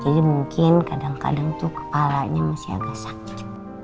jadi mungkin kadang kadang tuh kepalanya masih agak sakit